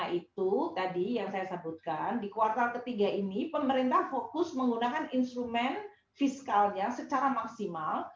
karena itu tadi yang saya sebutkan di kuartal ketiga ini pemerintah fokus menggunakan instrumen fiskalnya secara maksimal